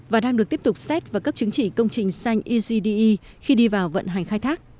và đang được tiếp tục xét và cấp chứng chỉ công trình xanh egde khi đi vào vận hành khai thác